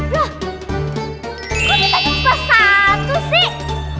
wah kok bintangnya cuma satu sih